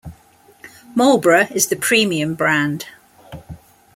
Marlboro is the premium brand.